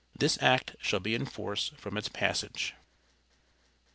This act shall be in force from its passage.